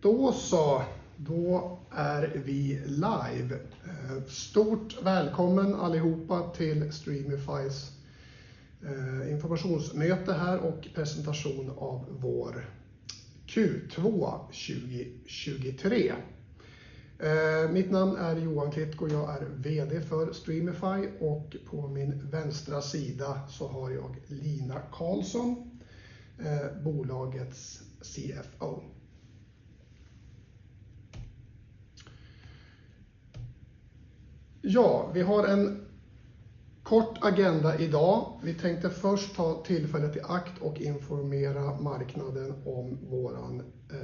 Då så, då är vi live. Stort välkommen allihopa till Streamify:s informationsmöte här och presentation av vår Q2 2023. Mitt namn är Johan Klitkou och jag är VD för Streamify och på min vänstra sida så har jag Lina Karlsson, bolagets CFO. Vi har en kort agenda i dag. Vi tänkte först ta tillfället i akt och informera marknaden om vår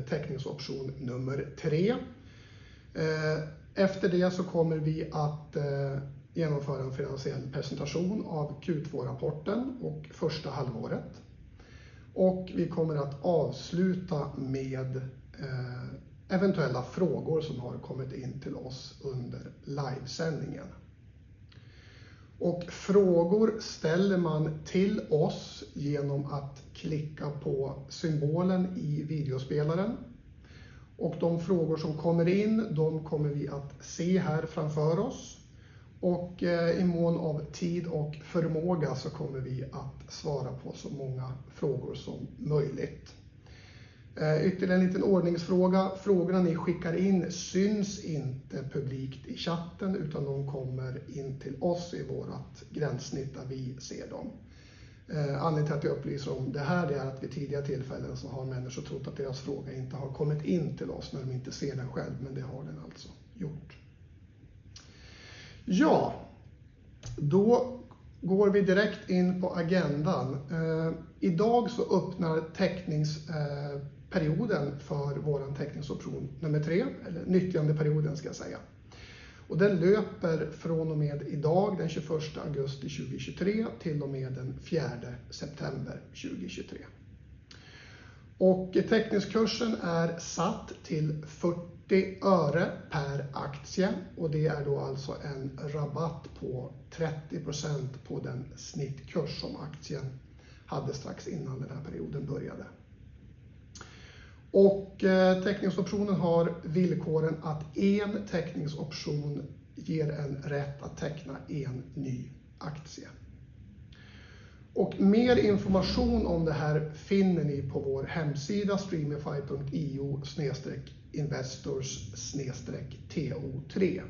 teckningsoption nummer tre. Efter det så kommer vi att genomföra en finansiell presentation av Q2-rapporten och första halvåret. Och vi kommer att avsluta med eventuella frågor som har kommit in till oss under livesändningen. Frågor ställer man till oss igenom att klicka på symbolen i videospelaren. De frågor som kommer in, de kommer vi att se här framför oss och i mån av tid och förmåga så kommer vi att svara på så många frågor som möjligt. Ytterligare en liten ordningsfråga: frågorna ni skickar in syns inte publikt i chatten, utan de kommer in till oss i vårt gränssnitt där vi ser dem. Anledningen till att jag upplyser om det här är att vid tidigare tillfällen har människor trott att deras fråga inte har kommit in till oss när de inte ser den själv, men det har den alltså gjort. Då går vi direkt in på agendan. I dag öppnar teckningsperioden för vår teckningsoption nummer tre, eller nyttjandeperioden ska jag säga. Den löper från och med i dag, den 21 augusti 2023, till och med den 4 september 2023. Teckningskursen är satt till SEK 0,40 per aktie, vilket är en rabatt på 30% på den snittkurs som aktien hade strax innan den här perioden började. Teckningsoptionen har villkoren att en teckningsoption ger en rätt att teckna en ny aktie. Mer information om det här finner ni på vår hemsida streamify.io/investors/TO3.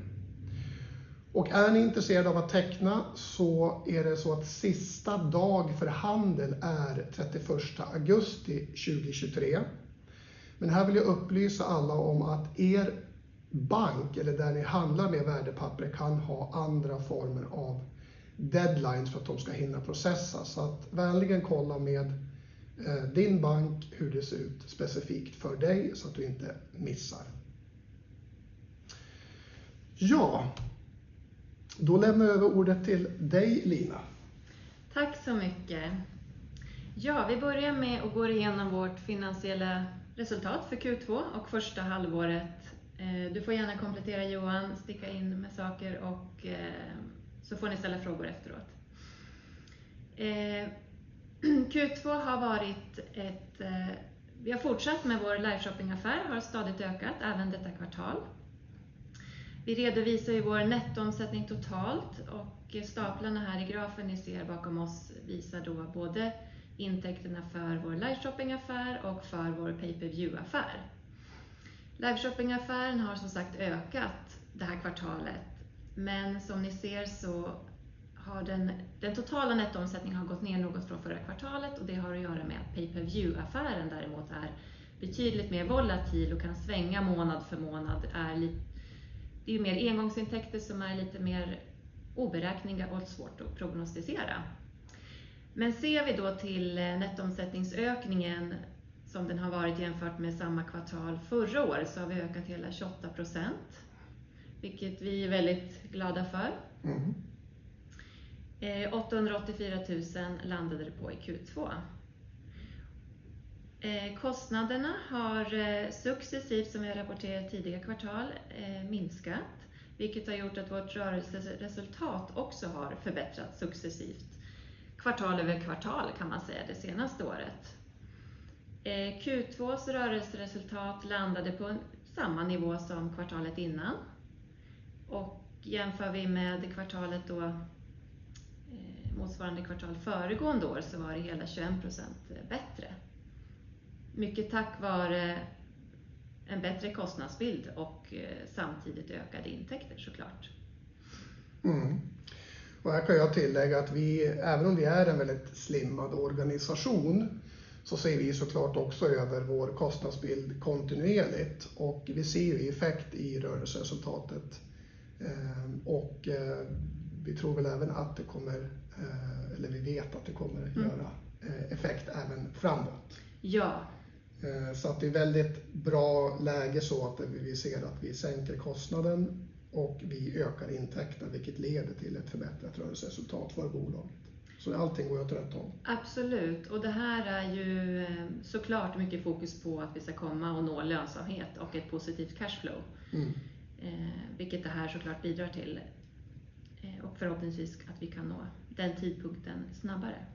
Är ni intresserade av att teckna så är det så att sista dag för handel är den 31 augusti 2023. Här vill jag upplysa alla om att er bank eller där ni handlar med värdepapper kan ha andra former av deadlines för att de ska hinna processa. Vänligen kolla med din bank hur det ser ut specifikt för dig så att du inte missar. Då lämnar jag över ordet till dig, Lina. Tack så mycket! Vi börjar med att gå igenom vårt finansiella resultat för Q2 och första halvåret. Du får gärna komplettera Johan, sticka in med saker, så får ni ställa frågor efteråt. Q2 har varit ett... Vi har fortsatt med vår liveshopping-affär, har stadigt ökat även detta kvartal. Vi redovisar ju vår nettoomsättning totalt och staplarna här i grafen ni ser bakom oss visar då både intäkterna för vår liveshopping-affär och för vår pay-per-view-affär. Liveshopping-affären har som sagt ökat det här kvartalet, men som ni ser så har den totala nettoomsättningen gått ner något från förra kvartalet och det har att göra med att pay-per-view-affären däremot är betydligt mer volatil och kan svänga månad för månad. Det är ju mer engångsintäkter som är lite mer oberäkneliga och svårt att prognostisera. Men ser vi då till nettoomsättningsökningen som den har varit jämfört med samma kvartal förra år, så har vi ökat hela 28%, vilket vi är väldigt glada för. Mm. 884 000 landade det på i Q2. Kostnaderna har successivt, som vi har rapporterat tidigare kvartal, minskat, vilket har gjort att vårt rörelseresultat också har förbättrats successivt, kvartal över kvartal, det senaste året. Q2:s rörelseresultat landade på samma nivå som kvartalet innan och jämför vi med motsvarande kvartal föregående år så var det hela 21% bättre. Mycket tack vare en bättre kostnadsbild och samtidigt ökade intäkter så klart. Och här kan jag tillägga att vi, även om vi är en väldigt slimmad organisation, så ser vi så klart också över vår kostnadsbild kontinuerligt och vi ser ju effekt i rörelseresultatet. Vi tror väl även att det kommer, eller vi vet att det kommer göra effekt även framåt. Ja. Vi ser att vi sänker kostnaden och vi ökar intäkten, vilket leder till ett förbättrat rörelseresultat för bolaget. Allting går åt rätt håll. Absolut, och det här är ju så klart mycket fokus på att vi ska komma och nå lönsamhet och ett positivt cashflow. Mm. Vilket det här så klart bidrar till. Förhoppningsvis kan vi nå den tidpunkten snabbare.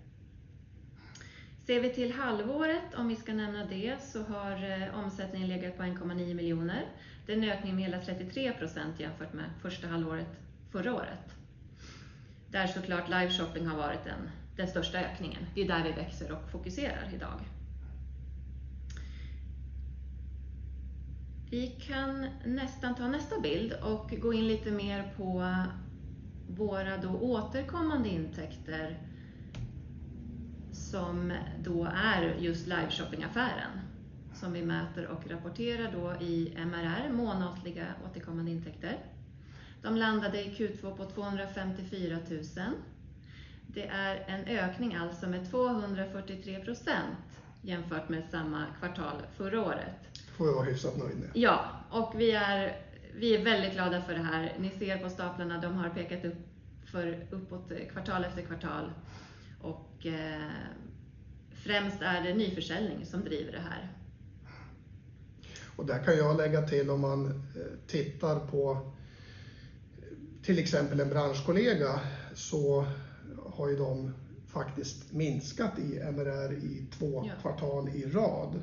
Ser vi till halvåret, om vi ska nämna det, så har omsättningen legat på 1,9 miljoner. Det är en ökning med hela 33% jämfört med första halvåret förra året. Där så klart liveshopping har varit den största ökningen. Det är där vi växer och fokuserar i dag. Vi kan nästan ta nästa bild och gå in lite mer på våra återkommande intäkter, som då är just liveshoppingaffären, som vi mäter och rapporterar i MRR, månatliga återkommande intäkter. De landade i Q2 på 254 000. Det är en ökning med 243% jämfört med samma kvartal förra året. Det får vara hyfsat nöjd med det. Ja, och vi är väldigt glada för det här. Ni ser på staplarna, de har pekat uppåt kvartal efter kvartal och främst är det nyförsäljning som driver det här. Och där kan jag lägga till, om man tittar på till exempel en branschkollega, så har ju de faktiskt minskat i MRR i två kvartal i rad,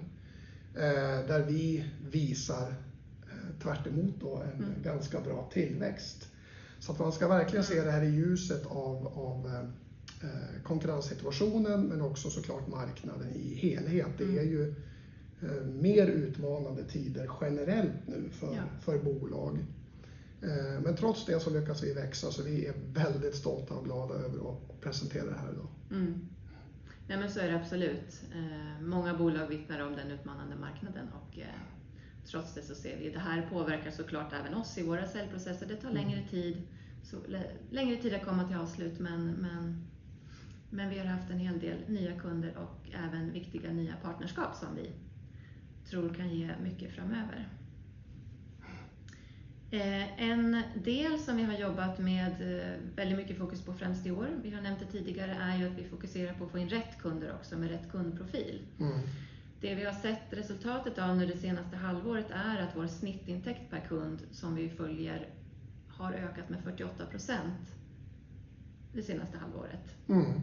där vi visar tvärtemot en ganska bra tillväxt. Man ska verkligen se det här i ljuset av konkurrenssituationen, men också så klart marknaden i helhet. Det är ju mer utmanande tider generellt nu för bolag. Men trots det så lyckas vi växa, så vi är väldigt stolta och glada över att presentera det här i dag. Många bolag vittnar om den utmanande marknaden och trots det ser vi att det här påverkar även oss i våra säljprocesser. Det tar längre tid att komma till avslut, men vi har haft en hel del nya kunder och även viktiga nya partnerskap som vi tror kan ge mycket framöver. En del som vi har jobbat med väldigt mycket fokus på främst i år, vi har nämnt det tidigare, är att vi fokuserar på att få in rätt kunder med rätt kundprofil. Mm. Det vi har sett resultatet av nu det senaste halvåret är att vår snittintäkt per kund, som vi följer, har ökat med 48% det senaste halvåret. Mm.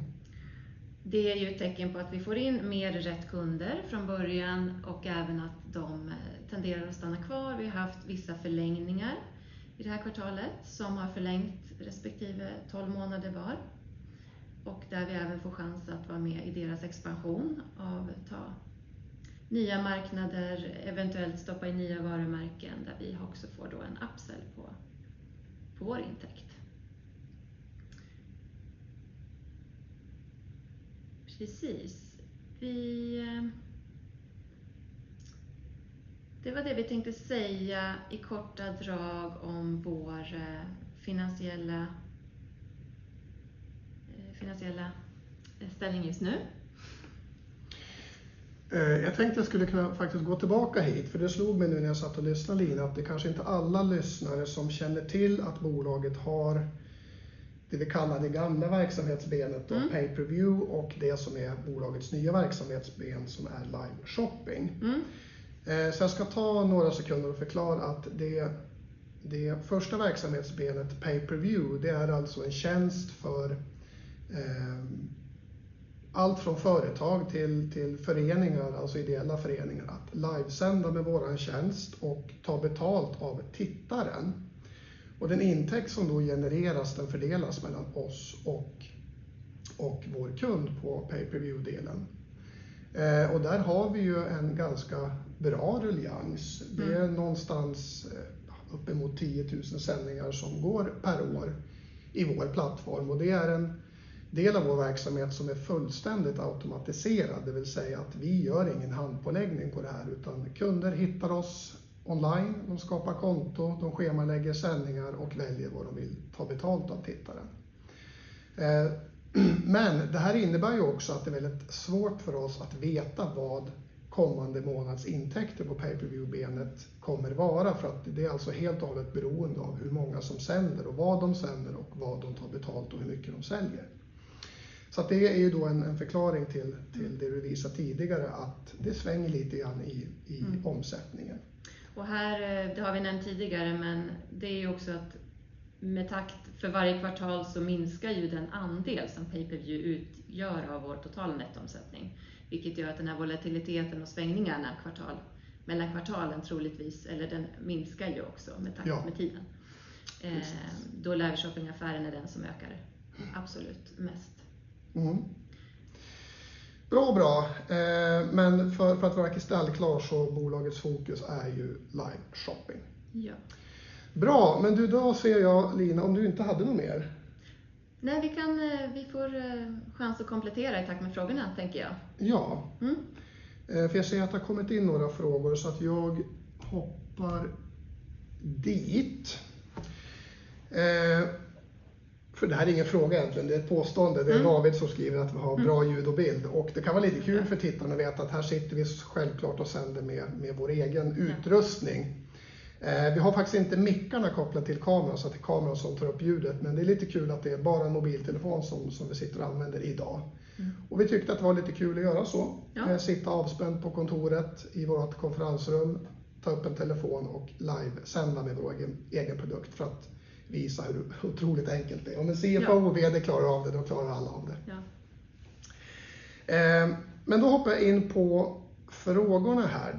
Det är ju ett tecken på att vi får in mer rätt kunder från början och även att de tenderar att stanna kvar. Vi har haft vissa förlängningar i det här kvartalet som har förlängt respektive tolv månader var och där vi även får chans att vara med i deras expansion av ta nya marknader, eventuellt stoppa in nya varumärken där vi också får då en upsell på vår intäkt. Det var det vi tänkte säga i korta drag om vår finansiella ställning just nu. Jag tänkte att jag skulle kunna gå tillbaka hit, för det slog mig nu när jag satt och lyssnade, Lina, att det kanske inte är alla lyssnare som känner till att bolaget har det vi kallar det gamla verksamhetsbenet. Mm. Pay-per-view och det som är bolagets nya verksamhetsben, som är liveshopping. Mm. Det första verksamhetsbenet, pay-per-view, är en tjänst för allt från företag till föreningar, alltså ideella föreningar, att livesända med vår tjänst och ta betalt av tittaren. Den intäkt som då genereras fördelas mellan oss och vår kund på pay-per-view-delen. Där har vi en ganska bra ruljans. Mm. Det är någonstans uppemot tiotusen sändningar som går per år i vår plattform och det är en del av vår verksamhet som är fullständigt automatiserad, det vill säga att vi gör ingen handpåläggning på det här, utan kunder hittar oss online, de skapar konto, de schemalägger sändningar och väljer vad de vill ta betalt av tittaren. Men det här innebär ju också att det är väldigt svårt för oss att veta vad kommande månads intäkter på pay-per-view-benet kommer vara, för att det är alltså helt och hållet beroende av hur många som sänder och vad de sänder och vad de tar betalt och hur mycket de säljer. Det är ju då en förklaring till det du visade tidigare, att det svänger lite grann i omsättningen. Och här, det har vi nämnt tidigare, men det är också att med takt för varje kvartal så minskar ju den andel som pay-per-view utgör av vår totala nettoomsättning, vilket gör att den här volatiliteten och svängningarna kvartal, mellan kvartalen, troligtvis minskar ju också med takt med tiden. Ja, precis. Liveshoppingaffären är den som ökar absolut mest. Bra, bra! Men för att vara kristallklar så är bolagets fokus liveshopping. Ja. Bra, men då ser jag, Lina, om du inte hade något mer? Nej, vi kan, vi får chans att komplettera i takt med frågorna tänker jag. Ja. Mm. Jag ser att det har kommit in några frågor, så jag hoppar dit. Det här är ingen fråga egentligen, det är ett påstående. Mm. Det är David som skriver att vi har bra ljud och bild, och det kan vara lite kul för tittarna att veta att här sitter vi självklart och sänder med vår egen utrustning. Vi har faktiskt inte mickarna kopplat till kameran så att det är kameran som tar upp ljudet, men det är lite kul att det är bara en mobiltelefon som vi sitter och använder i dag. Och vi tyckte att det var lite kul att göra så. Ja. Sitta avspänt på kontoret i vårt konferensrum, ta upp en telefon och livesända med vår egen produkt för att visa hur otroligt enkelt det är. Om en CFO och VD klarar av det, då klarar alla av det. Då hoppar jag in på frågorna här.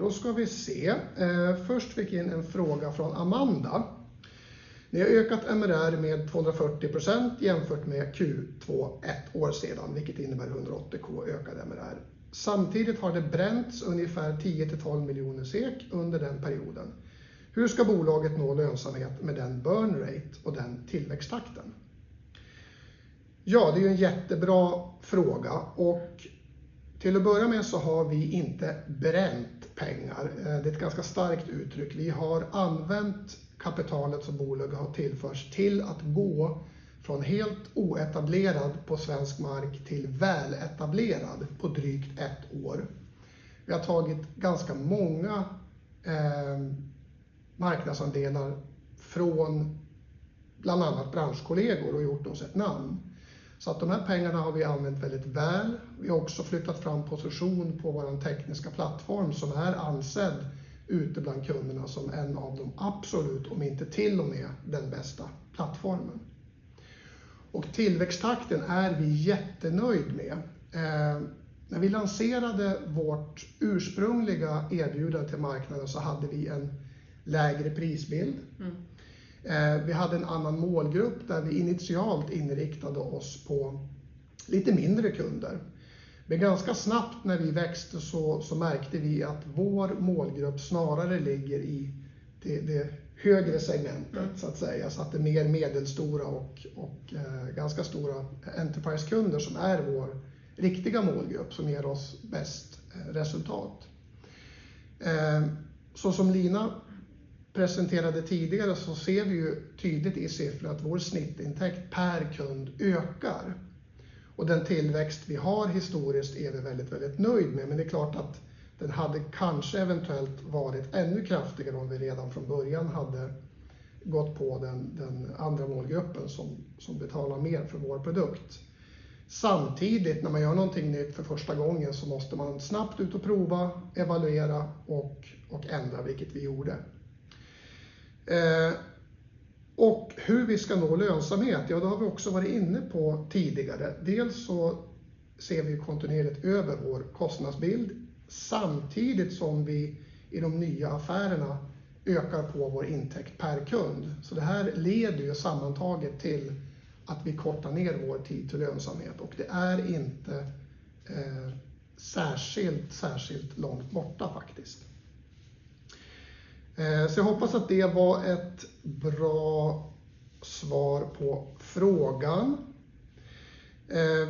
Först fick jag in en fråga från Amanda: "Ni har ökat MRR med 240% jämfört med Q2 ett år sedan, vilket innebär 180K ökad MRR. Samtidigt har det bränts ungefär 10 till 12 miljoner SEK under den perioden. Hur ska bolaget nå lönsamhet med den burn rate och den tillväxttakten?" Det är ju en jättebra fråga och till att börja med så har vi inte bränt pengar. Det är ett ganska starkt uttryck. Vi har använt kapitalet som bolaget har tillförts till att gå från helt oetablerad på svensk mark till väletablerad på drygt ett år. Vi har tagit ganska många marknadsandelar från bland annat branschkollegor och gjort oss ett namn. De här pengarna har vi använt väldigt väl. Vi har också flyttat fram position på vår tekniska plattform som är allsedd ute bland kunderna som en av de absolut, om inte till och med, den bästa plattformen. Tillväxttakten är vi jättenöjd med. När vi lanserade vårt ursprungliga erbjudande till marknaden så hade vi en lägre prisbild. Vi hade en annan målgrupp där vi initialt inriktade oss på lite mindre kunder. Men ganska snabbt när vi växte märkte vi att vår målgrupp snarare ligger i det högre segmentet, så att det är mer medelstora och ganska stora enterprisekunder som är vår riktiga målgrupp, som ger oss bäst resultat. Som Lina presenterade tidigare ser vi ju tydligt i siffror att vår snittintäkt per kund ökar och den tillväxt vi har historiskt är vi väldigt, väldigt nöjd med. Men det är klart att den hade kanske eventuellt varit ännu kraftigare om vi redan från början hade gått på den andra målgruppen som betalar mer för vår produkt. Samtidigt, när man gör någonting nytt för första gången, måste man snabbt ut och prova, evaluera och ändra, vilket vi gjorde. Hur vi ska nå lönsamhet? Ja, det har vi också varit inne på tidigare. Dels ser vi kontinuerligt över vår kostnadsbild, samtidigt som vi i de nya affärerna ökar på vår intäkt per kund. Det här leder sammantaget till att vi kortar ner vår tid till lönsamhet och det är inte särskilt långt borta faktiskt. Jag hoppas att det var ett bra svar på frågan.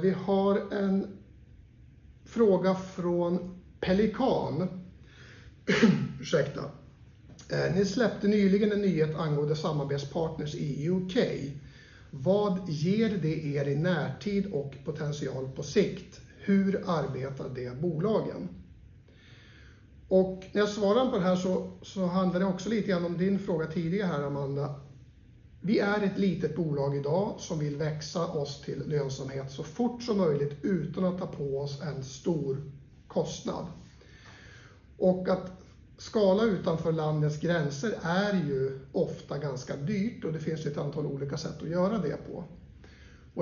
Vi har en fråga från Pelikan. Ursäkta. "Ni släppte nyligen en nyhet angående samarbetspartners i UK. Vad ger det er i närtid och potential på sikt? Hur arbetar det bolagen?" När jag svarar på det här så handlar det också lite grann om din fråga tidigare här, Amanda. Vi är ett litet bolag i dag som vill växa oss till lönsamhet så fort som möjligt utan att ta på oss en stor kostnad. Att skala utanför landets gränser är ofta ganska dyrt och det finns ett antal olika sätt att göra det på.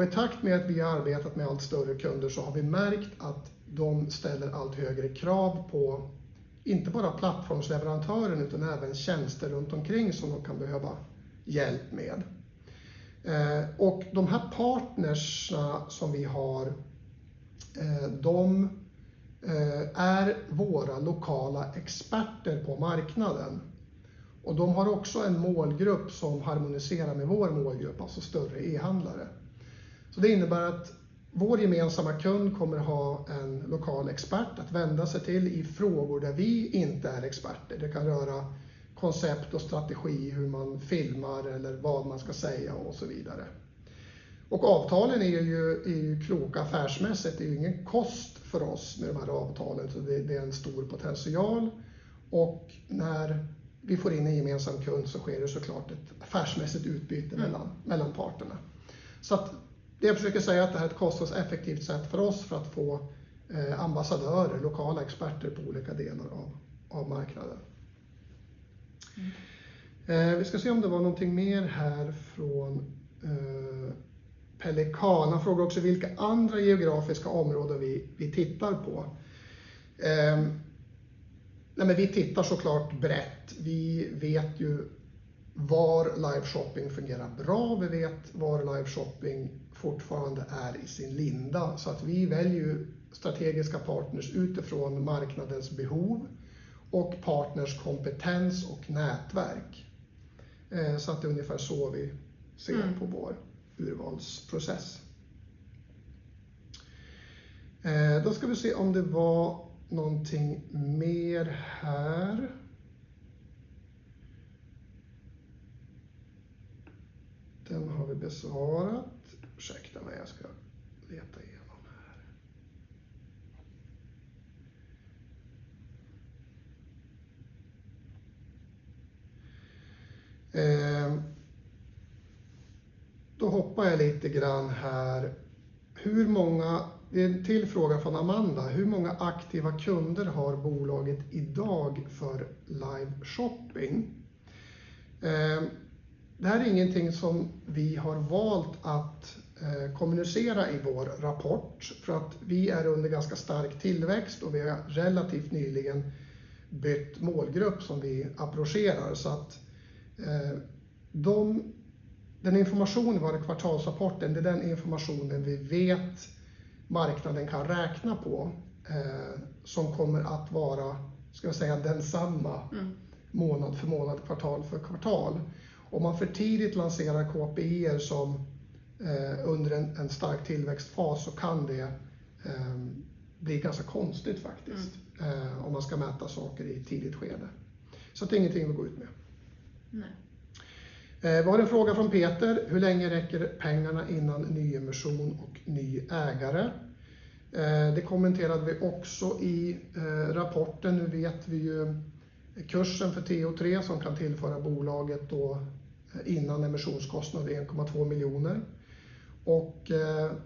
I takt med att vi har arbetat med allt större kunder så har vi märkt att de ställer allt högre krav på inte bara plattformsleverantören, utan även tjänster runt omkring som de kan behöva hjälp med. De här partners som vi har är våra lokala experter på marknaden och de har också en målgrupp som harmoniserar med vår målgrupp, alltså större e-handlare. Det innebär att vår gemensamma kund kommer att ha en lokal expert att vända sig till i frågor där vi inte är experter. Det kan röra koncept och strategi, hur man filmar eller vad man ska säga och så vidare. Avtalen är kloka affärsmässigt. Det är ingen kostnad för oss med de här avtalen, så det är en stor potential. När vi får in en gemensam kund så sker det så klart ett affärsmässigt utbyte mellan parterna. Det jag försöker säga är att det här är ett kostnadseffektivt sätt för oss att få ambassadörer, lokala experter på olika delar av marknaden. Vi ska se om det var någonting mer här från Pelikan. Han frågar också vilka andra geografiska områden vi tittar på. Vi tittar så klart brett. Vi vet ju var live shopping fungerar bra. Vi vet var live shopping fortfarande är i sin linda. Vi väljer ju strategiska partners utifrån marknadens behov och partners kompetens och nätverk. Det är ungefär så vi ser på vår urvalsprocess. Då ska vi se om det var någonting mer här. Den har vi besvarat. Jag ska leta igenom här. Då hoppar jag lite grann här. Det är en till fråga från Amanda: Hur många aktiva kunder har bolaget i dag för live shopping? Det här är ingenting som vi har valt att kommunicera i vår rapport, för att vi är under ganska stark tillväxt och vi har relativt nyligen bytt målgrupp som vi approcherar. Den informationen i vår kvartalsrapport, det är den informationen vi vet marknaden kan räkna på, som kommer att vara, ska jag säga, densamma månad för månad, kvartal för kvartal. Om man för tidigt lanserar KPI:er som, under en stark tillväxtfas, så kan det bli ganska konstigt faktiskt, om man ska mäta saker i ett tidigt skede. Det är ingenting vi går ut med. Nej. Det var en fråga från Peter: Hur länge räcker pengarna innan nyemission och ny ägare? Det kommenterade vi också i rapporten. Nu vet vi ju kursen för TO3 som kan tillföra bolaget, innan emissionskostnad, 1,2 miljoner kronor.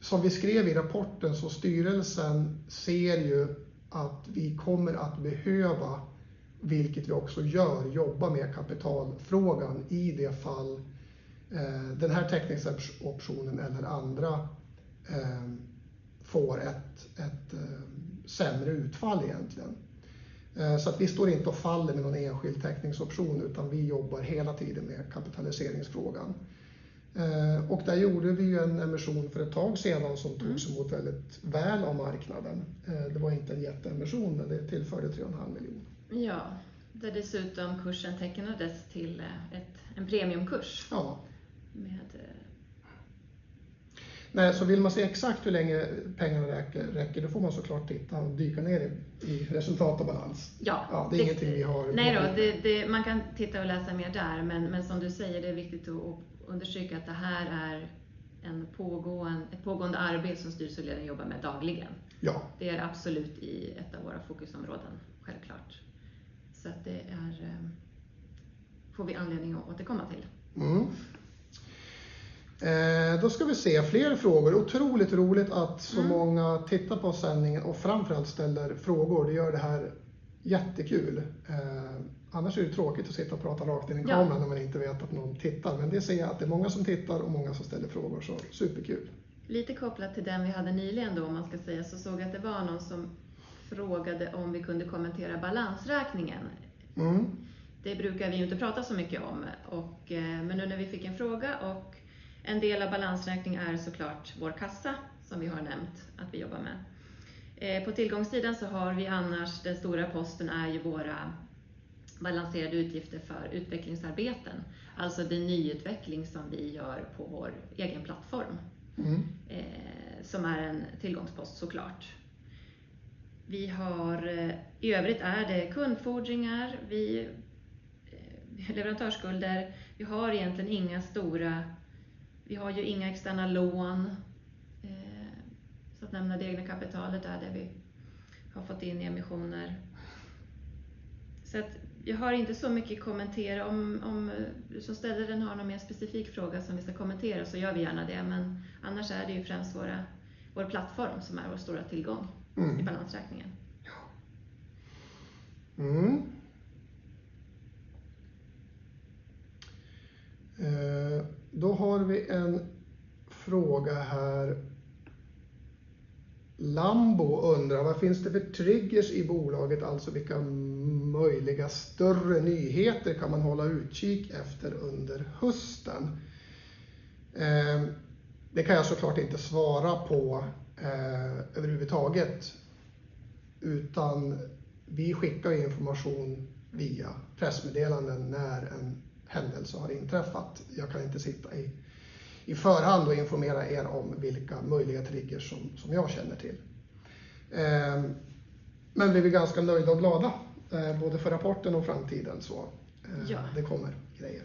Som vi skrev i rapporten ser styrelsen ju att vi kommer att behöva, vilket vi också gör, jobba med kapitalfrågan i det fall den här teckningsoptionen, eller andra, får ett sämre utfall egentligen. Vi står inte och faller med någon enskild teckningsoption, utan vi jobbar hela tiden med kapitaliseringsfrågan. Där gjorde vi ju en emission för ett tag sedan som togs emot väldigt väl av marknaden. Det var inte en jätteemission, men det tillförde 3,5 miljoner kronor. Ja, där dessutom kursen tecknades till en premiumkurs. Ja. Med... Vill man se exakt hur länge pengarna räcker får man så klart titta och dyka ner i resultat och balans. Ja. Det är ingenting vi har. Nej då, man kan titta och läsa mer där, men som du säger, det är viktigt att understryka att det här är ett pågående arbete som styrelse och ledning jobbar med dagligen. Ja. Det är absolut ett av våra fokusområden, självklart, så att det är... får vi anledning att återkomma till. Då ska vi se, fler frågor. Otroligt roligt att så många tittar på sändningen och framför allt ställer frågor. Det gör det här jättekul. Annars är det tråkigt att sitta och prata rakt in i en kamera. Ja. När man inte vet att någon tittar. Men det ser jag att det är många som tittar och många som ställer frågor, så superkul! Lite kopplat till den vi hade nyligen, såg jag att det var någon som frågade om vi kunde kommentera balansräkningen. Mm. Det brukar vi ju inte prata så mycket om, men nu när vi fick en fråga och en del av balansräkningen är så klart vår kassa, som vi har nämnt att vi jobbar med. På tillgångssidan så har vi annars den stora posten, som är ju våra balanserade utgifter för utvecklingsarbeten, alltså det nyutveckling som vi gör på vår egen plattform. Mm. Det är en tillgångspost, så klart. Vi har kundfordringar och leverantörsskulder. Vi har egentligen inga stora externa lån, så det egna kapitalet är det vi har fått in i emissioner. Jag har inte så mycket att kommentera. Om du som ställde den frågan har någon mer specifik fråga som vi ska kommentera, så gör vi gärna det, men annars är det främst vår plattform som är vår stora tillgång. Mm. i balansräkningen. Då har vi en fråga här. Lambo undrar: Vad finns det för triggers i bolaget? Alltså, vilka möjliga större nyheter kan man hålla utkik efter under hösten? Det kan jag så klart inte svara på överhuvudtaget, utan vi skickar ju information via pressmeddelanden när en händelse har inträffat. Jag kan inte sitta i förhand och informera er om vilka möjliga triggers som jag känner till. Vi är ganska nöjda och glada, både för rapporten och framtiden. Ja. Det kommer grejer.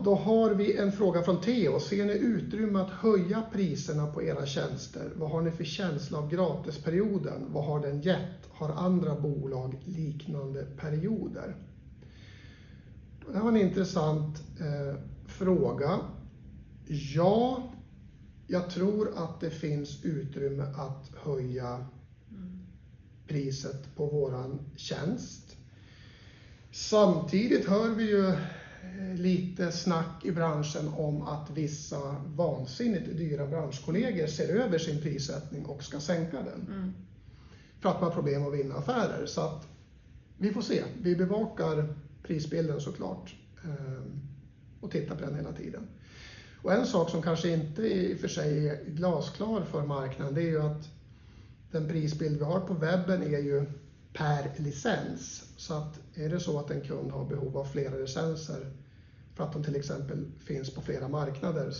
Då har vi en fråga från Theo: Ser ni utrymme att höja priserna på era tjänster? Vad har ni för känsla av gratisperioden? Vad har den gett? Har andra bolag liknande perioder? Det här var en intressant fråga. Jag tror att det finns utrymme att höja priset på vår tjänst. Samtidigt hör vi ju lite snack i branschen om att vissa vansinnigt dyra branschkollegor ser över sin prissättning och ska sänka den. Mm. De har problem att vinna affärer. Vi bevakar prisbilden och tittar på den hela tiden. En sak som kanske inte är glasklar för marknaden är att den prisbild vi har på webben är per licens. Är det så att en kund har behov av flera licenser, till exempel för att de finns på flera marknader,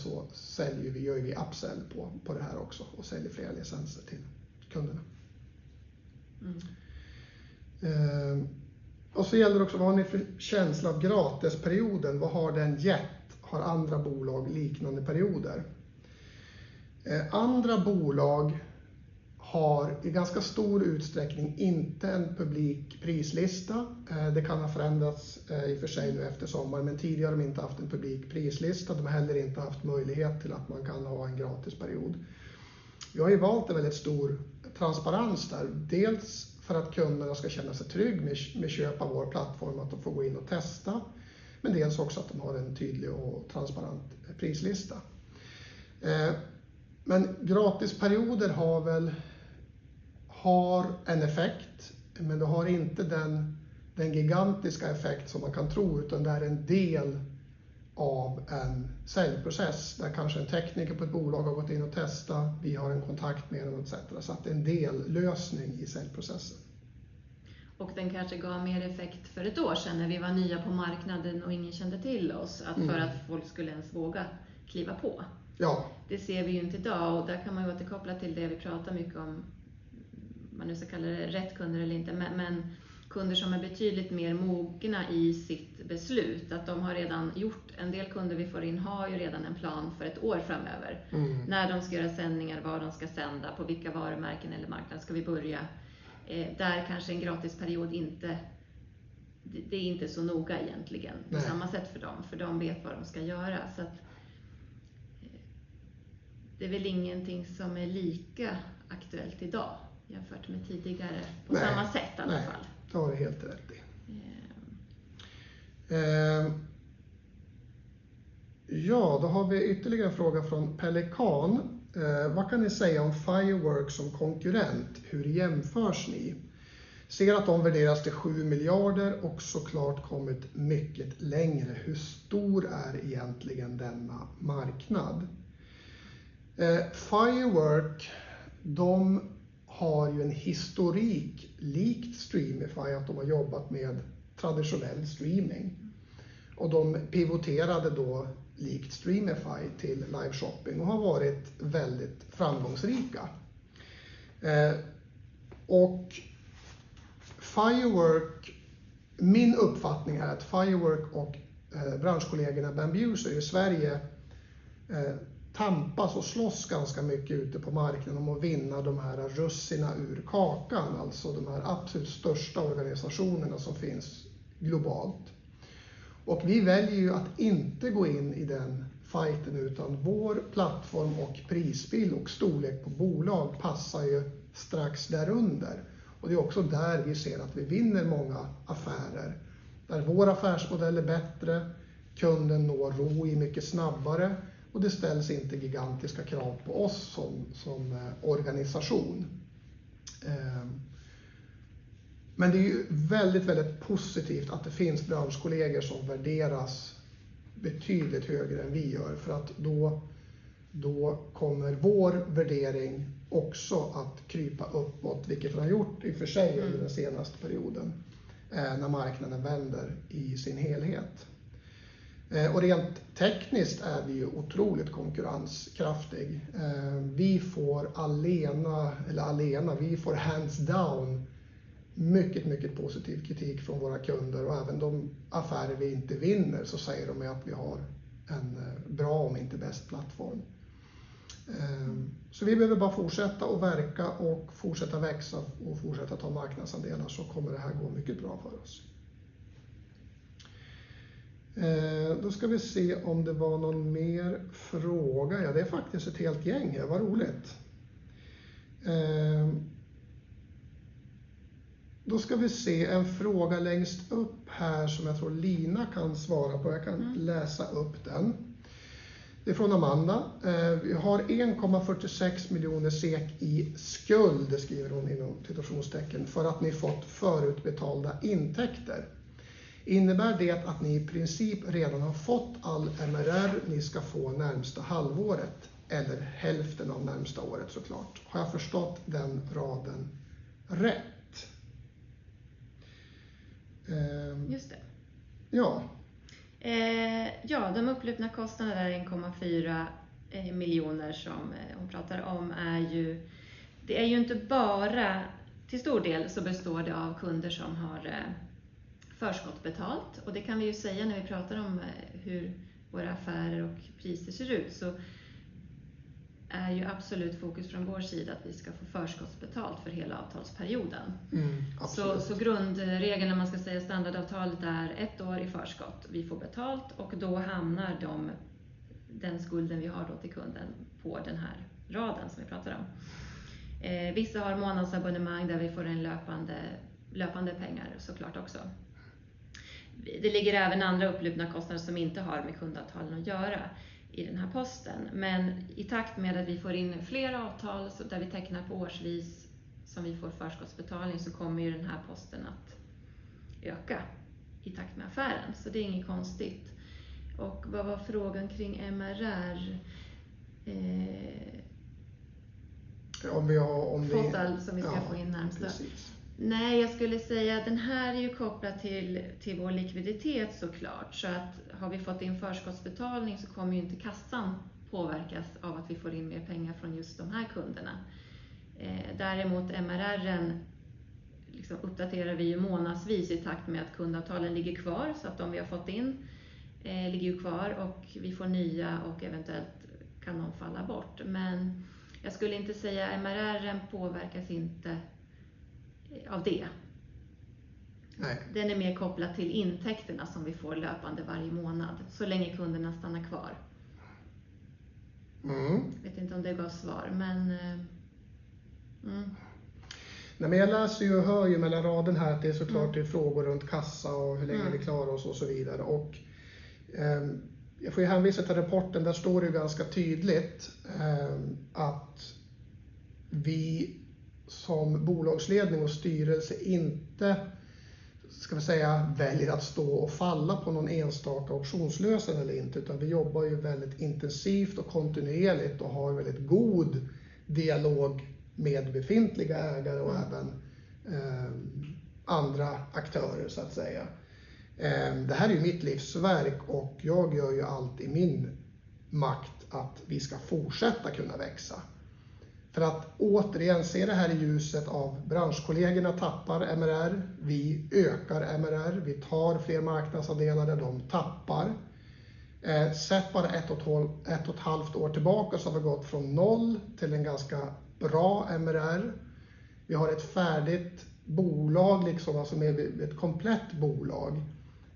gör vi upsell på det här också och säljer fler licenser till kunderna. Mm. Vad har ni för känsla av gratisperioden? Vad har den gett? Har andra bolag liknande perioder? Andra bolag har i ganska stor utsträckning inte en publik prislista. Det kan ha förändrats i och för sig nu efter sommaren, men tidigare har de inte haft en publik prislista. De har heller inte haft möjlighet till att man kan ha en gratisperiod. Vi har ju valt en väldigt stor transparens där, dels för att kunderna ska känna sig trygg med köp av vår plattform, att de får gå in och testa, men dels också att de har en tydlig och transparent prislista. Gratisperioder har en effekt, men det har inte den gigantiska effekt som man kan tro, utan det är en del av en säljprocess, där kanske en tekniker på ett bolag har gått in och testat, vi har en kontakt med dem et cetera. Det är en dellösning i säljprocessen. Den kanske gav mer effekt för ett år sedan när vi var nya på marknaden och ingen kände till oss, för att folk skulle ens våga kliva på. Ja. Det ser vi inte i dag och där kan man ju återkoppla till det vi pratar mycket om, vad man nu ska kalla det, rätt kunder eller inte, men kunder som är betydligt mer mogna i sitt beslut, att de har redan gjort... En del kunder vi får in har ju redan en plan för ett år framöver. Mm. När de ska göra sändningar, var de ska sända, på vilka varumärken eller marknad ska vi börja? Där kanske en gratisperiod inte är så noga egentligen. Nej. På samma sätt för dem, för de vet vad de ska göra. Det är väl ingenting som är lika aktuellt i dag jämfört med tidigare. Nej. På samma sätt i alla fall. Det har du helt rätt i. Då har vi ytterligare en fråga från Pelikan: Vad kan ni säga om Firework som konkurrent? Hur jämförs ni? Ser att de värderas till sju miljarder och så klart kommit mycket längre. Hur stor är egentligen denna marknad? Firework har ju en historik, likt Streamify, att de har jobbat med traditionell streaming och de pivoterade då, likt Streamify, till live shopping och har varit väldigt framgångsrika. Min uppfattning är att Firework och branschkollegerna Bambuser i Sverige tampas och slåss ganska mycket ute på marknaden om att vinna de här russina ur kakan, alltså de här absolut största organisationerna som finns globalt. Vi väljer ju att inte gå in i den fighten, utan vår plattform och prisbild och storlek på bolag passar ju strax där under. Det är också där vi ser att vi vinner många affärer, där vår affärsmodell är bättre, kunden når ROI mycket snabbare och det ställs inte gigantiska krav på oss som organisation. Men det är väldigt, väldigt positivt att det finns branschkollegor som värderas betydligt högre än vi gör, för att då kommer vår värdering också att krypa uppåt, vilket den har gjort under den senaste perioden, när marknaden vänder i sin helhet. Rent tekniskt är vi otroligt konkurrenskraftig. Vi får hands down mycket, mycket positiv kritik från våra kunder och även de affärer vi inte vinner, så säger de att vi har en bra, om inte bäst, plattform. Vi behöver bara fortsätta att verka och fortsätta växa och fortsätta ta marknadsandelar, så kommer det här gå mycket bra för oss. Då ska vi se om det var någon mer fråga. Ja, det är faktiskt ett helt gäng här. Vad roligt! Då ska vi se en fråga längst upp här som jag tror Lina kan svara på. Jag kan läsa upp den. Det är från Amanda: "Vi har en komma fyrtiosex miljoner SEK i skuld, för att ni fått förutbetalda intäkter. Innebär det att ni i princip redan har fått all MRR ni ska få närmsta halvåret eller hälften av närmsta året så klart? Har jag förstått den raden rätt?" Just det. Ja. De upplupna kostnader där, 1,4 miljoner som hon pratar om, är ju inte bara – till stor del så består det av kunder som har förskottsbetalt. Det kan vi ju säga när vi pratar om hur våra affärer och priser ser ut, så är ju absolut fokus från vår sida att vi ska få förskottsbetalt för hela avtalsperioden. Absolut. Grundregeln, när man ska säga standardavtalet, är ett år i förskott. Vi får betalt och då hamnar den skulden vi har till kunden på den här raden som vi pratar om. Vissa har månadsabonnemang där vi får löpande pengar så klart också. Det ligger även andra upplupna kostnader som inte har med kundavtalen att göra i den här posten, men i takt med att vi får in fler avtal där vi tecknar på årsvis, som vi får förskottsbetalning, så kommer den här posten att öka i takt med affären. Det är inget konstigt. Vad var frågan kring MRR? Om vi har- Fått allt som vi ska få in närmast. Precis. Det här är kopplat till vår likviditet. Har vi fått in förskottsbetalning kommer inte kassan påverkas av att vi får in mer pengar från just de här kunderna. MRR:en uppdaterar vi månadsvis i takt med att kundavtalen ligger kvar, så att de vi har fått in ligger kvar och vi får nya, och eventuellt kan de falla bort. MRR:en påverkas inte av det. Nej. Den är mer kopplat till intäkterna som vi får löpande varje månad, så länge kunderna stannar kvar. Mm. Vet inte om det gav svar, men. Nej, men jag läser ju och hör ju mellan raderna här att det så klart är frågor runt kassa och hur länge vi klarar oss och så vidare. Jag får ju hänvisa till rapporten. Där står det ju ganska tydligt att vi som bolagsledning och styrelse inte, ska vi säga, väljer att stå och falla på någon enstaka optionslösning eller inte, utan vi jobbar ju väldigt intensivt och kontinuerligt och har väldigt god dialog med befintliga ägare och även andra aktörer, så att säga. Det här är ju mitt livsverk och jag gör ju allt i min makt att vi ska fortsätta kunna växa. För att återigen se det här i ljuset av branschkollegorna tappar MRR, vi ökar MRR, vi tar fler marknadsandelar, de tappar. Bara ett och ett och ett halvt år tillbaka har vi gått från noll till en ganska bra MRR. Vi har ett färdigt bolag, liksom vad som är ett komplett bolag,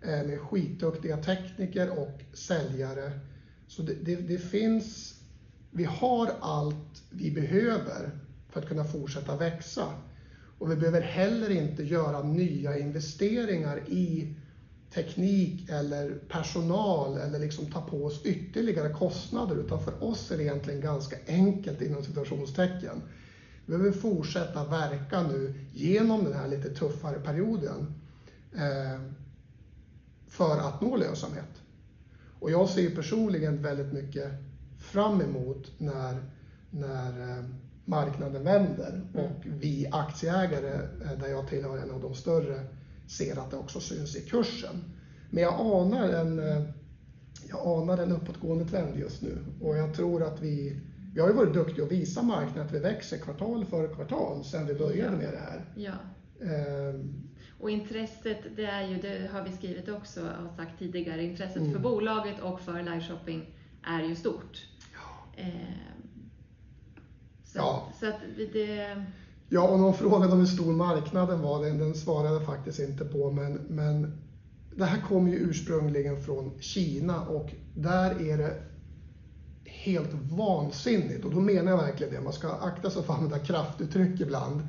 med skitduktiga tekniker och säljare. Det finns -- vi har allt vi behöver för att kunna fortsätta växa och vi behöver heller inte göra nya investeringar i teknik eller personal eller liksom ta på oss ytterligare kostnader, utan för oss är det egentligen ganska enkelt inom citationstecken. Vi behöver fortsätta verka nu igenom den här lite tuffare perioden för att nå lönsamhet. Jag ser personligen väldigt mycket fram emot när marknaden vänder och vi aktieägare, där jag tillhör en av de större, ser att det också syns i kursen. Jag anar en uppåtgående trend just nu och jag tror att vi... Vi har ju varit duktiga att visa marknaden att vi växer kvartal för kvartal sedan vi började med det här. Ja, och intresset för bolaget och för liveshopping är ju stort, det har vi skrivit också och sagt tidigare. Ja. Vi det. De frågade om hur stor marknaden var, det svarade jag faktiskt inte på, men det här kom ju ursprungligen från Kina och där är det helt vansinnigt. Och då menar jag verkligen det. Man ska akta sig för att använda kraftuttryck ibland.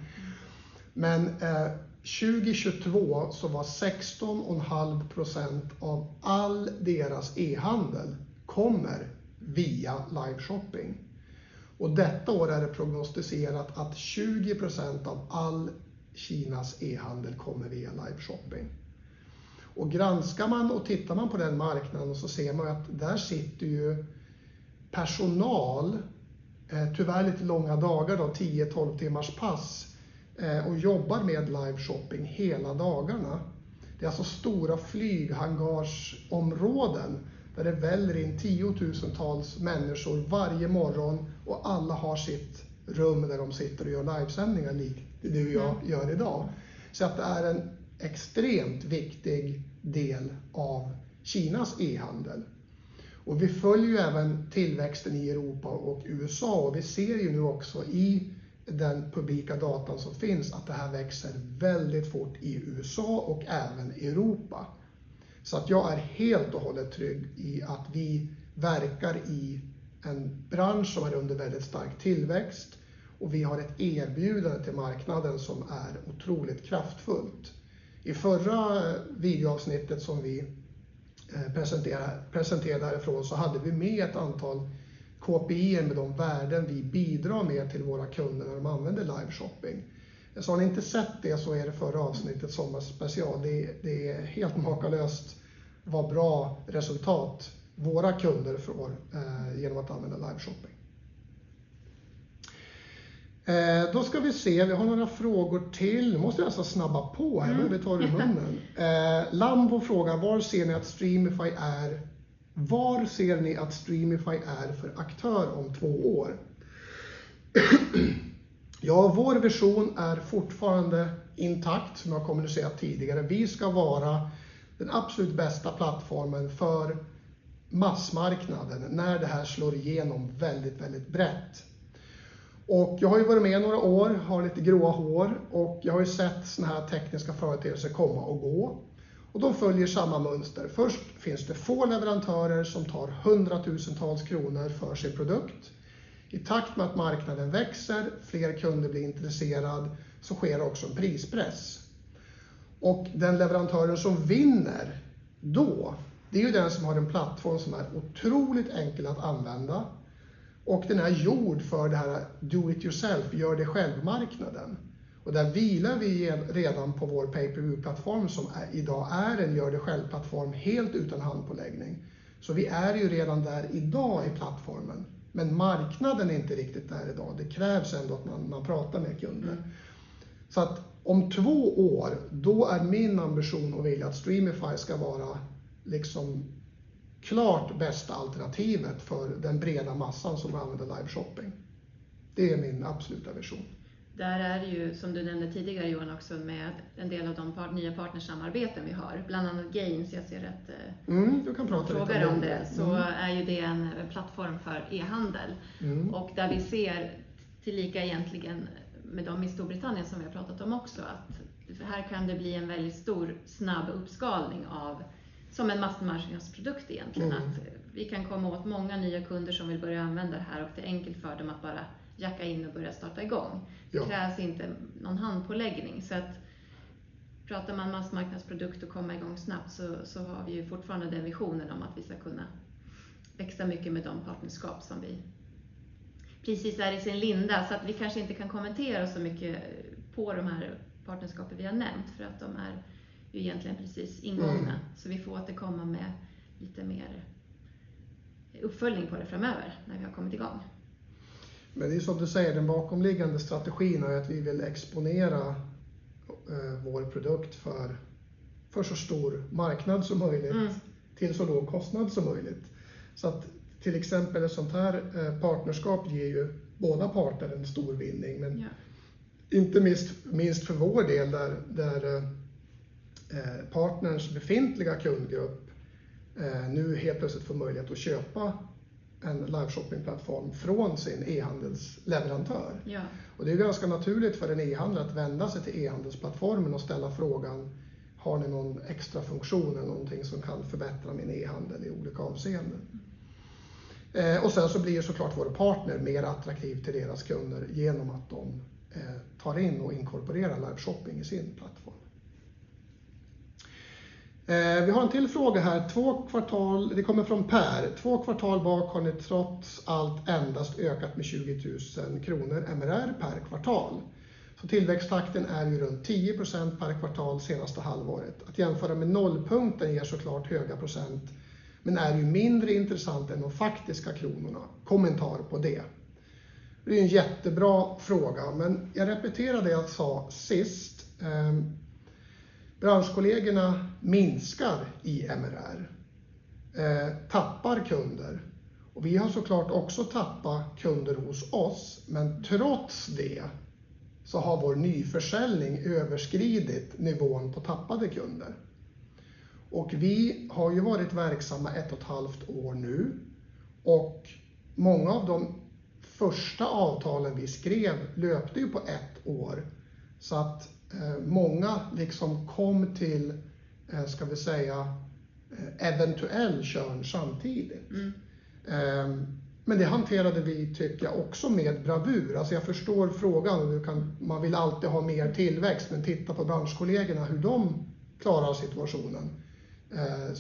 2022 var 16,5% av all deras e-handel via liveshopping. Och detta år är det prognostiserat att 20% av all Kinas e-handel kommer via liveshopping. Och granskar man och tittar man på den marknaden så ser man att där sitter ju personal, tyvärr lite långa dagar då, tio, tolv timmars pass, och jobbar med liveshopping hela dagarna. Det är alltså stora flyghangarsområden där det väller in tiotusentals människor varje morgon och alla har sitt rum där de sitter och gör livesändningar, likt det du och jag gör i dag. Det är en extremt viktig del av Kinas e-handel. Vi följer även tillväxten i Europa och USA. Vi ser nu också i den publika datan som finns att det här växer väldigt fort i USA och även i Europa. Jag är helt och hållet trygg i att vi verkar i en bransch som är under väldigt stark tillväxt och vi har ett erbjudande till marknaden som är otroligt kraftfullt. I förra videoavsnittet som vi presenterade härifrån hade vi med ett antal KPI med de värden vi bidrar med till våra kunder när de använder liveshopping. Har ni inte sett det är det förra avsnittet Sommarspecial. Det är helt makalöst vad bra resultat våra kunder får genom att använda liveshopping. Vi har några frågor till. Vår vision är fortfarande intakt, som jag kommunicerat tidigare. Vi ska vara den absolut bästa plattformen för massmarknaden när det här slår igenom väldigt, väldigt brett. Jag har ju varit med i några år, har lite gråa hår och jag har ju sett sådana här tekniska företeelser komma och gå och de följer samma mönster. Först finns det få leverantörer som tar hundratusentals kronor för sin produkt. I takt med att marknaden växer och fler kunder blir intresserade, sker också en prispress. Den leverantören som vinner då, det är ju den som har en plattform som är otroligt enkel att använda och den är gjord för det här do it yourself, gör det själv-marknaden. Och där vilar vi redan på vår pay-per-view-plattform som i dag är en gör-det-själv-plattform helt utan handpåläggning. Vi är ju redan där i dag i plattformen, men marknaden är inte riktigt där i dag. Det krävs ändå att man pratar med kunder. Om två år är min ambition och vilja att Streamify ska vara det klart bästa alternativet för den breda massan som använder liveshopping. Det är min absoluta vision. Där är det ju, som du nämnde tidigare, Johan också, med en del av de nya partnersamarbeten vi har, bland annat Geins. Jag ser att- Du kan prata lite om det. Det är ju en plattform för e-handel. Mm. Och där ser vi likheter egentligen med de i Storbritannien som vi har pratat om också, att här kan det bli en väldigt stor, snabb uppskalning av, som en massmarknadsprodukt egentligen. Mm. Att vi kan komma åt många nya kunder som vill börja använda det här och det är enkelt för dem att bara jacka in och börja starta igång. Ja. Det krävs inte någon handpåläggning. Pratar man massmarknadsprodukt och komma i gång snabbt, har vi fortfarande den visionen om att vi ska kunna växa mycket med de partnerskap som vi precis är i sin linda, så att vi kanske inte kan kommentera så mycket på de här partnerskapen vi har nämnt, för att de är ju egentligen precis ingångna. Mm. Vi får återkomma med lite mer uppföljning på det framöver när vi har kommit i gång. Men det är som du säger, den bakomliggande strategin är att vi vill exponera vår produkt för så stor marknad som möjligt. Mm. Till så låg kostnad som möjligt. Ett sådant här partnerskap ger ju båda parter en stor vinning. Ja. Men inte minst, för vår del, där partnerns befintliga kundgrupp nu helt plötsligt får möjlighet att köpa en liveshoppingplattform från sin e-handelsleverantör. Ja. Det är ganska naturligt för en e-handlare att vända sig till e-handelsplattformen och ställa frågan: "Har ni någon extra funktion eller någonting som kan förbättra min e-handel i olika avseenden?" Sen så blir ju så klart vår partner mer attraktiv till deras kunder igenom att de tar in och inkorporerar liveshopping i sin plattform. Vi har en till fråga här, den kommer från Per. Två kvartal bak har ni trots allt endast ökat med 20 000 kr MRR per kvartal. Tillväxttakten är ju runt 10% per kvartal senaste halvåret. Att jämföra med nollpunkten ger så klart höga procent, men är ju mindre intressant än de faktiska kronorna. Kommentar på det? Det är en jättebra fråga, men jag repeterar det jag sa sist. Branschkollegorna minskar i MRR, tappar kunder och vi har så klart också tappat kunder hos oss, men trots det så har vår nyförsäljning överskridit nivån på tappade kunder. Vi har ju varit verksamma ett och ett halvt år nu och många av de första avtalen vi skrev löpte ju på ett år, så att många liksom kom till, ska vi säga, eventuell kön samtidigt. Mm. Men det hanterade vi, tyckte jag, också med bravur. Jag förstår frågan och hur kan... man vill alltid ha mer tillväxt, men titta på branschkollegorna, hur de klarar av situationen.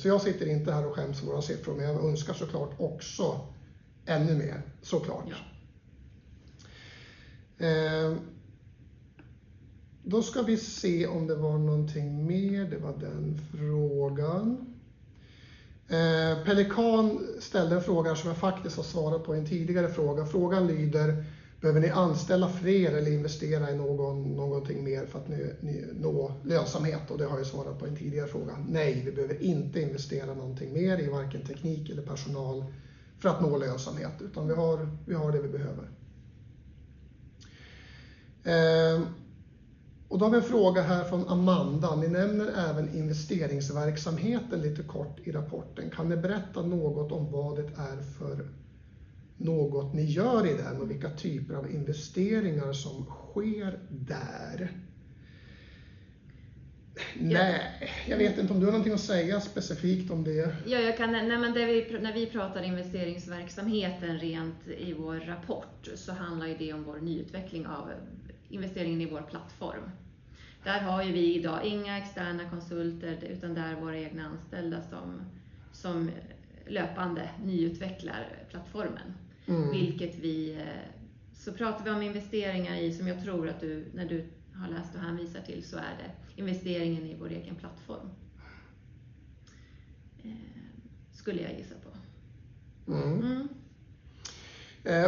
Jag sitter inte här och skäms för våra siffror, men jag önskar så klart också ännu mer, så klart. Ja. Pelikan ställde en fråga som jag faktiskt har svarat på i en tidigare fråga. Frågan lyder: Behöver ni anställa fler eller investera i någonting mer för att ni når lönsamhet? Det har jag svarat på i en tidigare fråga. Nej, vi behöver inte investera någonting mer i varken teknik eller personal för att nå lönsamhet, utan vi har det vi behöver. Och då har vi en fråga här från Amanda: Ni nämner även investeringsverksamheten lite kort i rapporten. Kan ni berätta något om vad det är för något ni gör i den och vilka typer av investeringar som sker där? Jag vet inte om du har någonting att säga specifikt om det? När vi pratar investeringsverksamheten rent i vår rapport, handlar det om vår nyutveckling av investeringen i vår plattform. Där har vi i dag inga externa konsulter, utan det är våra egna anställda som löpande nyutvecklar plattformen. Mm. Vilket vi... Så pratar vi om investeringar i, som jag tror att du, när du har läst det här och visar till, så är det investeringen i vår egen plattform. Skulle jag gissa på.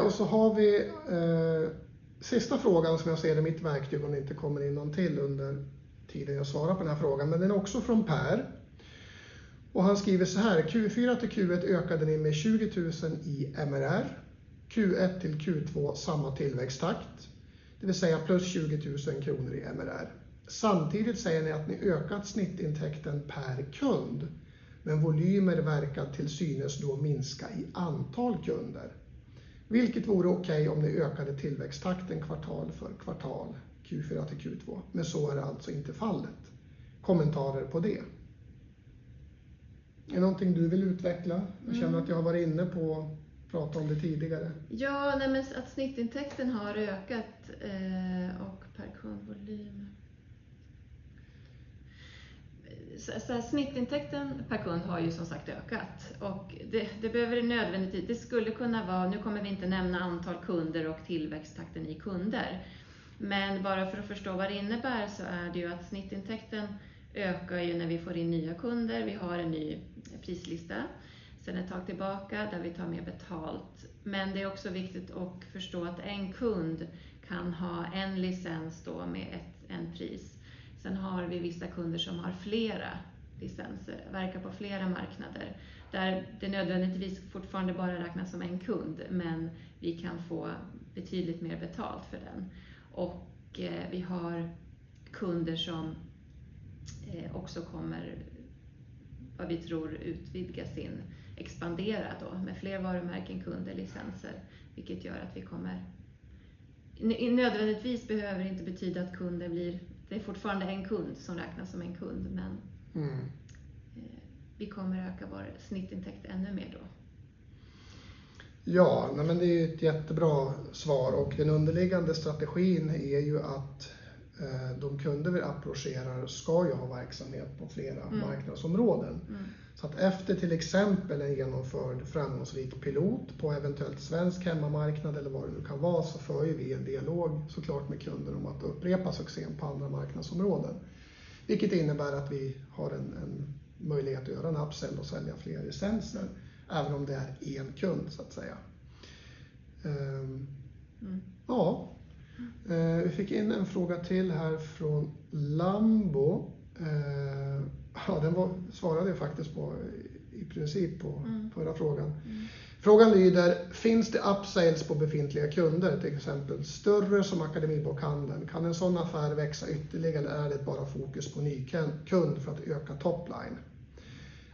Och så har vi sista frågan som jag ser i mitt verktyg, om det inte kommer in någon till under tiden jag svarar på den här frågan, men den är också från Per. Han skriver såhär: Q4 till Q1 ökade ni med 20 000 i MRR, Q1 till Q2, samma tillväxttakt, det vill säga plus 20 000 kronor i MRR. Samtidigt säger ni att ni ökat snittintäkten per kund, men volymer verkar till synes då minska i antal kunder, vilket vore okej om ni ökade tillväxttakten kvartal för kvartal, Q4 till Q2. Men så är det alltså inte fallet. Kommenterar på det. Är det någonting du vill utveckla? Mm. Jag känner att jag har varit inne på att prata om det tidigare. Snittintäkten har ökat per kundvolym. Snittintäkten per kund har som sagt ökat, och det behöver nödvändigtvis inte... det skulle kunna vara, nu kommer vi inte nämna antal kunder och tillväxttakten i kunder. Men bara för att förstå vad det innebär, så är det att snittintäkten ökar när vi får in nya kunder. Vi har en ny prislista, sedan ett tag tillbaka, där vi tar mer betalt. Men det är också viktigt att förstå att en kund kan ha en licens med ett pris. Sen har vi vissa kunder som har flera licenser, verkar på flera marknader, där det nödvändigtvis fortfarande bara räknas som en kund, men vi kan få betydligt mer betalt för den. Vi har kunder som också kommer, vad vi tror, utvidga sin verksamhet, expandera med fler varumärken, kunder eller licenser, vilket gör att vi kommer öka vår snittintäkt ännu mer. Det betyder inte nödvändigtvis att kunden blir fler kunder, det är fortfarande en kund som räknas som en kund. Ja, men det är ett jättebra svar och den underliggande strategin är ju att de kunder vi approcherar ska ju ha verksamhet på flera marknadsområden. Efter till exempel en genomförd framgångsrik pilot på eventuellt svensk hemmamarknad eller vad det nu kan vara, för vi en dialog med kunden om att upprepa succén på andra marknadsområden, vilket innebär att vi har en möjlighet att göra en upsell och sälja fler licenser, även om det är en kund så att säga. Vi fick in en fråga här från Lambo. Den svarade vi faktiskt på i princip på förra frågan. Frågan lyder: Finns det upsells på befintliga kunder, till exempel större som Akademibokhandeln? Kan en sådan affär växa ytterligare eller är det bara fokus på ny kund för att öka top line?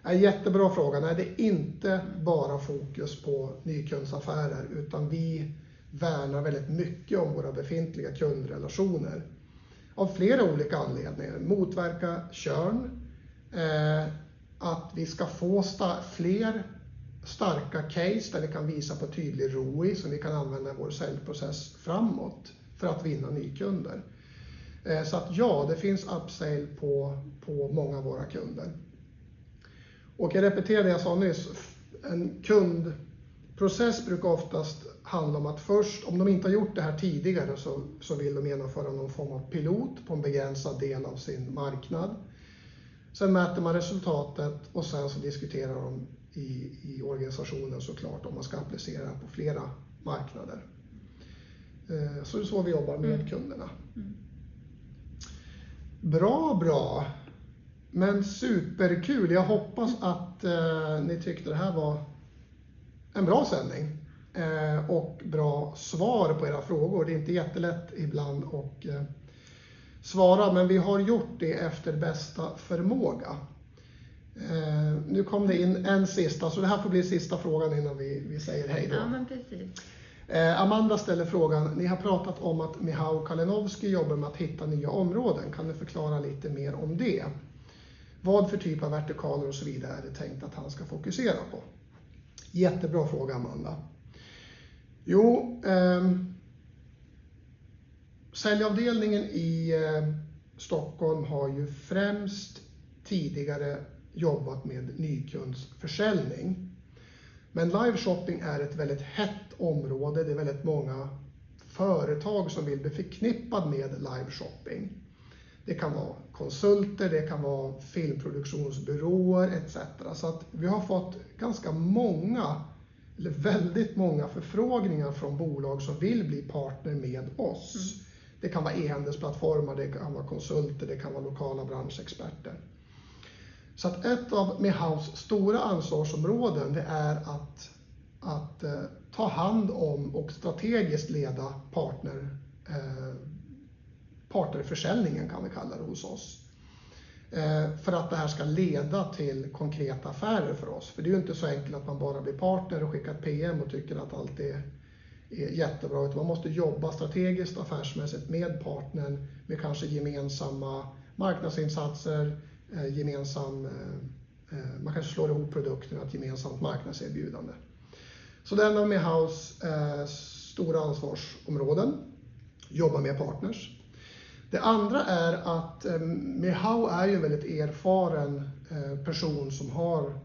En jättebra fråga. Nej, det är inte bara fokus på nykundsaffärer, utan vi värnar väldigt mycket om våra befintliga kundrelationer, av flera olika anledningar. Motverka churn, att vi ska få fler starka case där vi kan visa på tydlig ROI, som vi kan använda i vår säljprocess framåt för att vinna nykunder. Det finns upsell på många av våra kunder. En kundprocess brukar oftast handla om att först, om de inte har gjort det här tidigare, vill de genomföra någon form av pilot på en begränsad del av sin marknad. Sen mäter man resultatet och sen diskuterar de i organisationen, om man ska applicera på flera marknader. Så det är så vi jobbar med kunderna. Superkul! Jag hoppas att ni tyckte det här var en bra sändning och bra svar på era frågor. Det är inte jättelätt ibland att svara, men vi har gjort det efter bästa förmåga. Nu kom det in en sista, så det här får bli sista frågan innan vi säger hej då. Ja, men precis. Amanda ställer frågan: Ni har pratat om att Michal Kalinowski jobbar med att hitta nya områden. Kan du förklara lite mer om det? Vad för typ av vertikaler och så vidare är det tänkt att han ska fokusera på? Jättebra fråga, Amanda. Säljavdelningen i Stockholm har ju främst tidigare jobbat med nykundsförsäljning, men liveshopping är ett väldigt hett område. Det är väldigt många företag som vill bli förknippad med liveshopping. Det kan vara konsulter, det kan vara filmproduktionsbyråer et cetera. Vi har fått ganska många, eller väldigt många förfrågningar från bolag som vill bli partner med oss. Det kan vara e-handelsplattformar, det kan vara konsulter, det kan vara lokala branschexperter. Ett av Michals stora ansvarsområden är att ta hand om och strategiskt leda partnerförsäljningen, kan vi kalla det hos oss, för att det här ska leda till konkreta affärer för oss. Det är inte så enkelt att man bara blir partner och skickar ett PM och tycker att allt är jättebra. Man måste jobba strategiskt, affärsmässigt med partnern, med kanske gemensamma marknadsinsatser, gemensam-- man kanske slår ihop produkten, ett gemensamt marknadserbjudande. Det är en av Michals stora ansvarsområden, jobba med partners. Det andra är att Michal är ju en väldigt erfaren person som har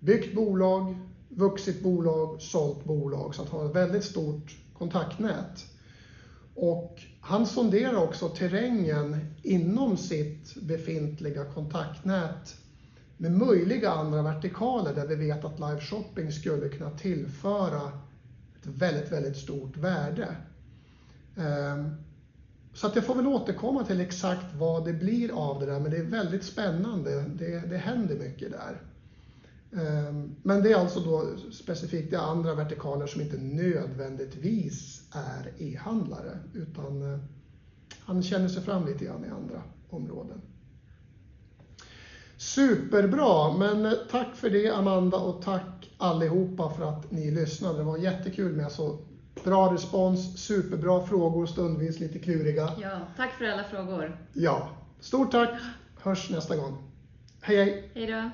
byggt bolag, vuxit bolag, sålt bolag, så han har ett väldigt stort kontaktnät. Han sonderar också terrängen inom sitt befintliga kontaktnät med möjliga andra vertikaler, där vi vet att liveshopping skulle kunna tillföra ett väldigt, väldigt stort värde. Jag får väl återkomma till exakt vad det blir av det där, men det är väldigt spännande. Det händer mycket där. Det är alltså specifikt de andra vertikaler som inte nödvändigtvis är e-handlare, utan han känner sig fram lite grann i andra områden. Superbra! Tack för det, Amanda, och tack allihopa för att ni lyssnade. Det var jättekul med så bra respons, superbra frågor, stundvis lite kluriga. Ja, tack för alla frågor. Ja, stort tack. Hörs nästa gång. Hej, hej! Hejdå.